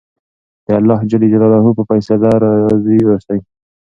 د اللهﷻ په فیصله راضي اوسئ.